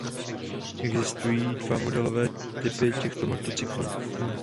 Existují dva modelové typy těchto motocyklů.